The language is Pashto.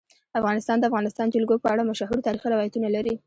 افغانستان د د افغانستان جلکو په اړه مشهور تاریخی روایتونه لري.